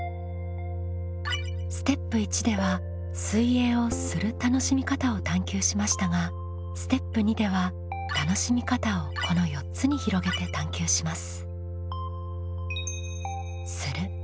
ステップ１では水泳をする楽しみ方を探究しましたがステップ２では楽しみ方をこの４つに広げて探究します。